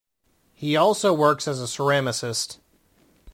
He also works as a ceramicist.